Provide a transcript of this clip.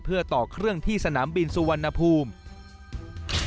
เพื่อต่อเครื่องที่สนามบินสุวรรณภูมิ